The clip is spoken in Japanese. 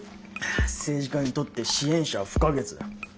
政治家にとって支援者は不可欠だ。